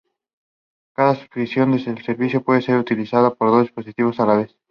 Cada subscripción al servicio puede ser utilizada por dos dispositivos a la vez.